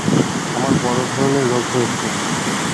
আমার বড় ধরনের কোন রোগ হয়েছে।